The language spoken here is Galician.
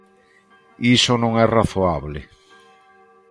Iso non é razoable.